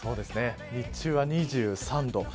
日中は２３度。